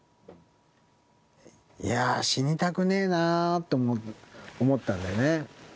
いやー、死にたくねえなと思ったんだよね。